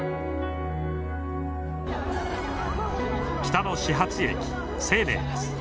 北の始発駅西寧です。